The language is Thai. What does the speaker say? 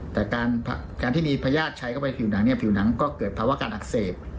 แต่การที่มีพยาธิใช้เข้าไปผิวหนังก็เกิดภาวการอักเสบ